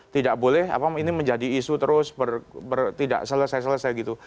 tidak boleh ini menjadi isu terus tidak selesai selesai gitu